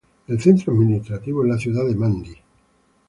El centro administrativo es la ciudad de Mandi.